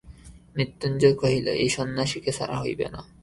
মৃত্যুঞ্জয় কহিল, এই সন্ন্যাসীকে ছাড়া হইবে না।